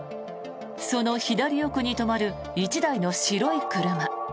その左奥に止まる１台の白い車。